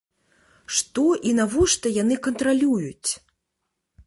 Што і навошта яны кантралююць?